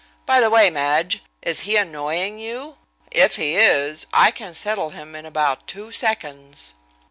By the way, Madge, is he annoying you? If he is, I can settle him in about two seconds."